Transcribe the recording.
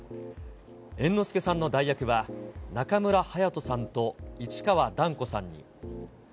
猿之助さんの代役は、中村隼人さんと市川だんこさんに。